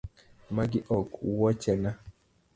Magi ok wuochena .